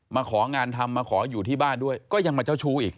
มาของานทำมาขออยู่ที่บ้านด้วยก็ยังมาเจ้าชู้อีก